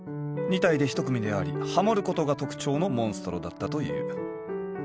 ２体で１組であり「ハモる」ことが特徴のモンストロだったという。